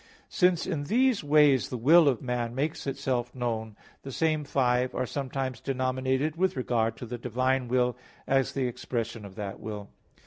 Since in these ways the will of man makes itself known, the same five are sometimes denominated with regard to the divine will, as the expression of that will.